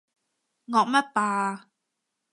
惡乜霸啊？